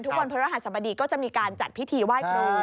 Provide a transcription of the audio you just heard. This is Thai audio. วันพระรหัสบดีก็จะมีการจัดพิธีไหว้ครู